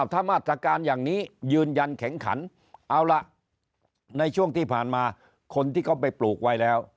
ถ้ามาตรการอย่างนี้ยืนยันแข็งขันเอาล่ะในช่วงที่ผ่านมาคนที่เขาไปปลูกไว้แล้ว